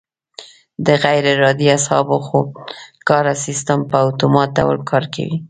د غیر ارادي اعصابو خودکاره سیستم په اتومات ډول کار کوي.